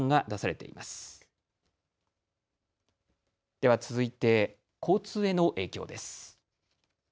では続いて、交通への影響です。